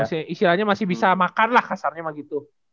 iya isilannya masih bisa makan lah kasarnya mah gitu